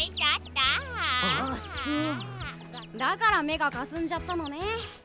だから目がかすんじゃったのね。